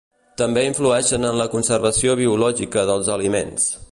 També influeixen en la conservació biològica dels aliments.